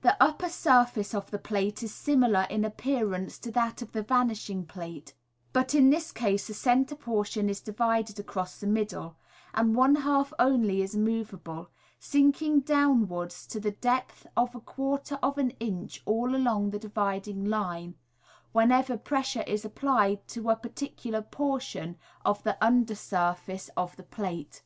The upper surface of the plate is similar in appearano to that of the vanishing plate j but in this case the centre portion is divided across the middle, and one half only is moveable, sinking downwards to the depth of a quarter of an inch all along the dividing line, whenever pressure is applied to a particular portion of the under surface of the plate.